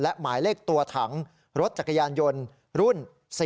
และหมายเลขตัวถังรถจักรยานยนต์รุ่น๔